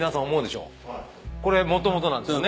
これもともとなんですよね。